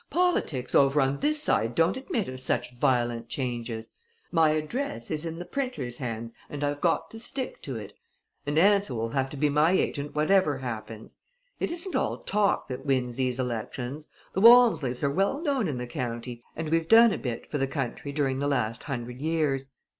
"Politics over on this side don't admit of such violent changes. My address is in the printer's hands and I've got to stick to it; and Ansell will have to be my agent whatever happens. It isn't all talk that wins these elections. The Walmsleys are well known in the county and we've done a bit for the country during the last hundred years.